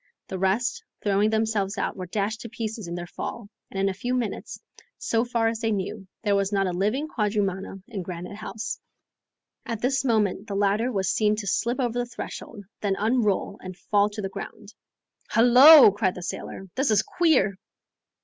The rest, throwing themselves out, were dashed to pieces in their fall, and in a few minutes, so far as they knew, there was not a living quadrumana in Granite House. At this moment the ladder was seen to slip over the threshold, then unroll and fall to the ground. "Hullo!" cried the sailor, "this is queer!"